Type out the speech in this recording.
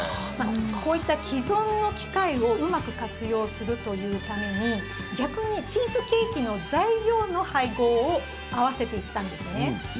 こういった既存の機械をうまく活用するというために逆にチーズケーキの材料の配合を合わせていったんですね。